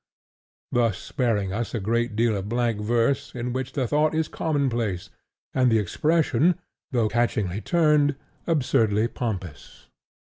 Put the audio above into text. thus sparing us a great deal of blank verse in which the thought is commonplace, and the expression, though catchingly turned, absurdly pompous.